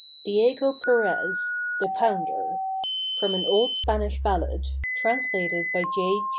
DIEGO PEREZ, "THE POUNDER" FROM AN OLD SPANISH BALLAD, TRANSLATED BY J.